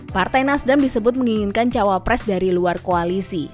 partai nasdem disebut menginginkan cawapres dari luar koalisi